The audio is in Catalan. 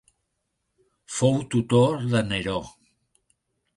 Fou tutor de Neró.